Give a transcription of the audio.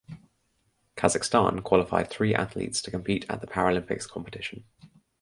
Kazakhstan qualified three athletes to compete at the Paralympics competition.